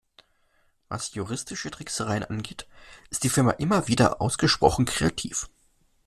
Was juristische Tricksereien angeht, ist die Firma immer wieder ausgesprochen kreativ.